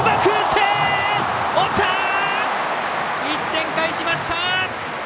１点返しました！